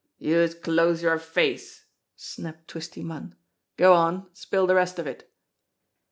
"Youse close yer face !" snapped Twisty Munn. "Go on, an' spill de rest of it."